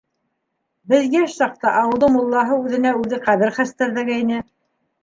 Беҙ йәш саҡта ауылдың муллаһы үҙенә үҙе ҡәбер хәстәрҙәгәйне.